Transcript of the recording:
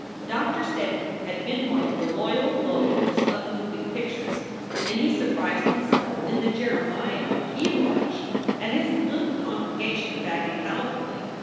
Doctor Steddon had been one of the loyal leathers of the moving pictures, and he surprised himself in the jeremiad he launched at his little congregation back in Calverly.